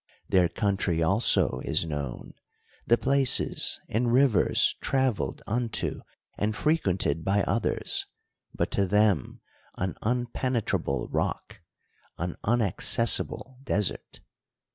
Their country also is known ; the places and rivers travelled unto and frequented by others, but to them an unpenetrable rock, an unaccessi ble desert.